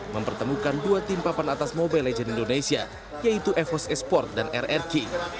mempertemukan dua tim papan atas mobile legends indonesia yaitu evos e sport dan rrq